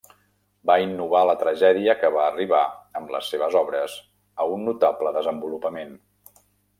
Va innovar la tragèdia que va arribar amb les seves obres a un notable desenvolupament.